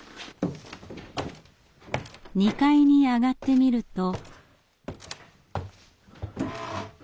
２階に上がってみると。